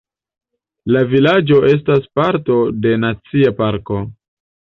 La vilaĝo estas parto de Nacia parko.